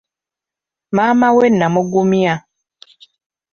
Maama we namugumya.